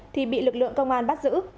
thì bị lực lượng công an bắt giữ